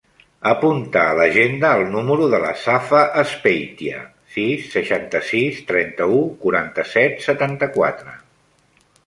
Apunta a l'agenda el número de la Safa Azpeitia: sis, seixanta-sis, trenta-u, quaranta-set, setanta-quatre.